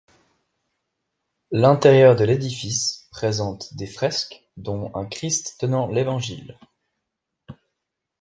L'intérieur de l'édifice présente des fresques, dont un Christ tenant l'évangile.